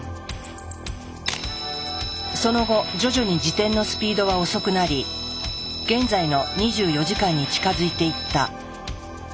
その後徐々に自転のスピードは遅くなり現在の２４時間に近づいていった。